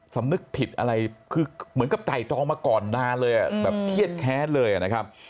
สำนึกผิดอะไรคือเหมือนกับไตรตรองมาก่อนนานเลยอ่ะแบบเครียดแค้นเลยนะครับ